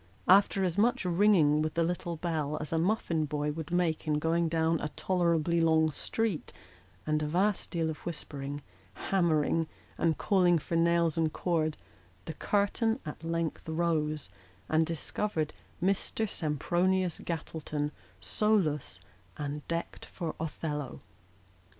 After as much ringing with the little bell as a muffin boy would make in going down a tolerably long street, and a vast deal of whispering, hammering, and calling for nails and cord, the curtain at length rose, and discovered Mr. Sempronius Gattleton solus, and decked for Othello.